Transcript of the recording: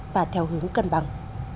và theo hướng cân bằng